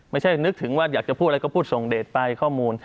นึกถึงว่าอยากจะพูดอะไรก็พูดส่งเดทไปข้อมูล